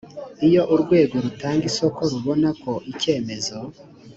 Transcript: iyo urwego rutanga isoko rubona ko icyemezo